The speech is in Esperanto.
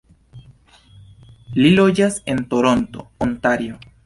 Li loĝas en Toronto, Ontario.